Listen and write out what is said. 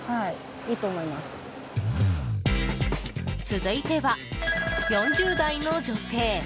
続いては４０代の女性。